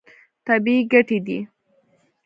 طبیعي ګټې دي.